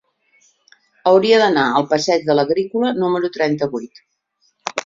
Hauria d'anar al passeig de l'Agrícola número trenta-vuit.